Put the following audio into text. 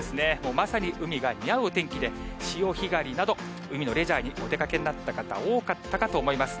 まさに海が似合うお天気で、潮干狩りなど海のレジャーにお出かけになってた方、多かったかと思います。